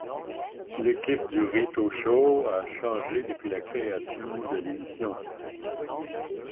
L'équipe du Rico Show a changé depuis la création de l'émission.